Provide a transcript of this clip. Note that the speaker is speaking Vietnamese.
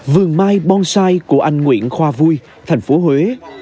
vườn mai bonsai của anh nguyễn khoa vui thành phố huế